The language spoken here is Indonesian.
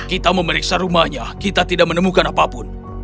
kita memeriksa rumahnya kita tidak menemukan apapun